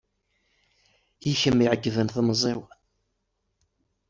I kem i iɛegben temẓi-w.